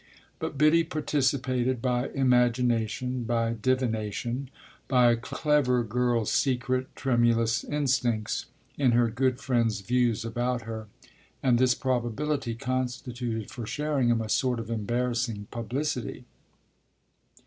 But Biddy participated by imagination, by divination, by a clever girl's secret, tremulous instincts, in her good friend's views about her, and this probability constituted for Sherringham a sort of embarrassing publicity.